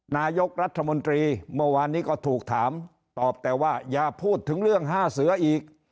นายกรัฐมนตรีเมื่อวานนี้ก็ถูกถามตอบแต่ว่าอย่าพูดถึงเรื่อง๕เสืออีก